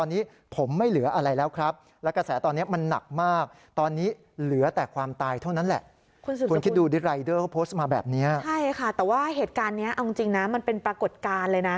ใช่ค่ะแต่ว่าเหตุการณ์นี้เอาจริงนะมันเป็นปรากฏการณ์เลยนะ